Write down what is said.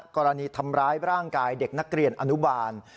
กรณีทำร้ายร่างกายเด็กนักเรียนอนุบาล